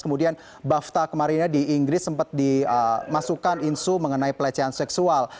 kemudian bafta kemarinnya di inggris sempat dimasukkan insu mengenai pelecehan seksual